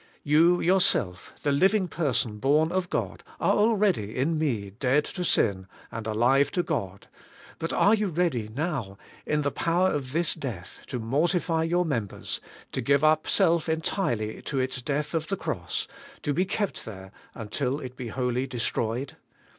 You yourself, the living person born of God, are already in me dead to sin and alive to God; but are you ready now, in the power of this death, to mortify your members, to give up self entirely to its death of the cross, to be kept there until it be wholly destroyed?